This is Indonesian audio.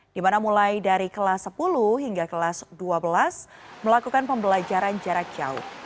dimana mulai dari kelas sepuluh hingga kelas dua belas melakukan pembelajaran jarak jauh